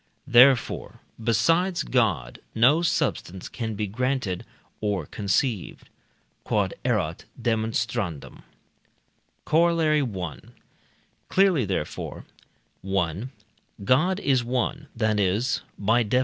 Therefore, besides God no substance can be granted or conceived. Q.E.D. Corollary I. Clearly, therefore: 1. God is one, that is (by Def.